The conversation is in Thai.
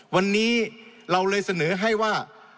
วันนี้เราเลยเสนอให้ว่า